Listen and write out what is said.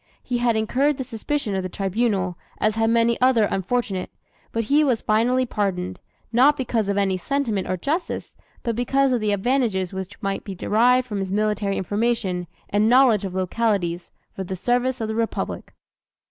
He had incurred the suspicion of the Tribunal, as had many another unfortunate; but he was finally pardoned, not because of any sentiment or justice, but because of the "advantages which might be derived from his military information and knowledge of localities, for the service of the Republic."